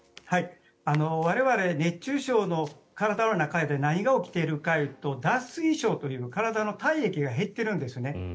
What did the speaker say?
我々、熱中症の体の中で何が起きているかというと脱水症というと体の体液が減っているんですね。